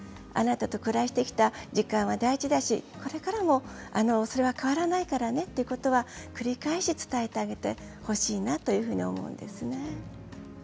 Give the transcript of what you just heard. あなたと暮らしてきた時間は大事だし、これからもそれは変わらないからねということは繰り返し伝えてあげてほしいなと思います。